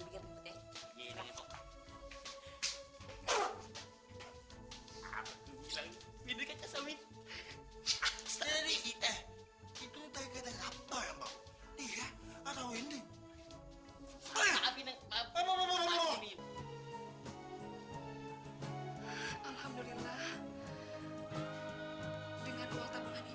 serah dah oke jangan bingit